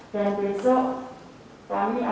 dan besok kami akan